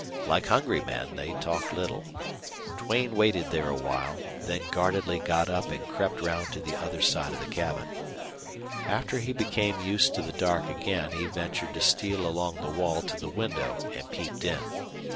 Like hungry men, they talked little. Duane waited there awhile, then guardedly got up and crept round to the other side of the cabin. After he became used to the dark again he ventured to steal along the wall to the window and peeped in.